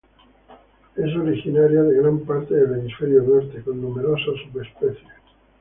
Es originaria de gran parte de hemisferio norte, con numerosas subespecies.